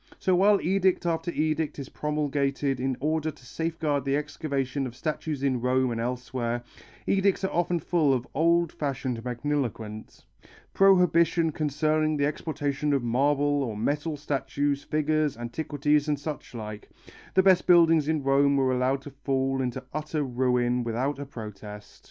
So while edict after edict is promulgated in order to safeguard the excavation of statues in Rome and elsewhere, edicts often full of old fashioned magniloquence, "Prohibition concerning the exportation of marble or metal statues, figures, antiquities and suchlike," the best buildings in Rome were allowed to fall into utter ruin without a protest.